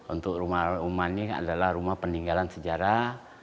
untuk rumah rumah ini adalah rumah peninggalan sejarah